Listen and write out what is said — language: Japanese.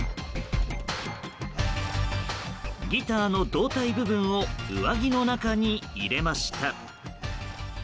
ギターの胴体部分を上着の中に入れました。